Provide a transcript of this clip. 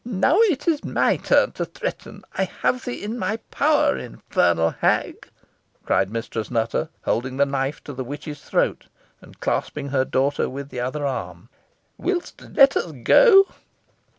"Now it is my turn to threaten. I have thee in my power, infernal hag!" cried Mistress Nutter, holding the knife to the witch's throat, and clasping her daughter with the other arm. "Wilt let us go?"